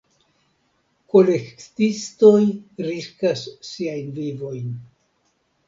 Kolektistoj riskas siajn vivojn.